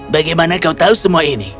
bagaimana kau tahu semua ini